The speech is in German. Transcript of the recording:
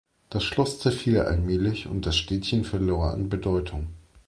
Das Schloss zerfiel allmählich und das Städtchen verlor an Bedeutung.